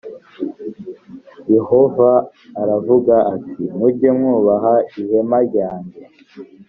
yehova aravuga ati mujye mwubaha ihema ryange